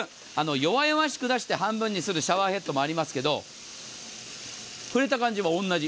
弱々しく出して半分にするシャワーヘッドもありますけど触れた感じも同じ。